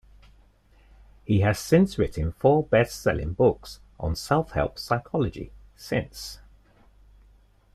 He has since written four best selling books on self-help psychology since.